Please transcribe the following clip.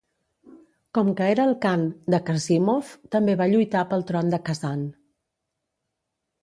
Com que era el khan de Kassímov, també va lluitar pel tron de Kazan.